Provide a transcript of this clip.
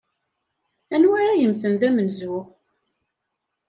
Anwa ara yemmten d amenzu?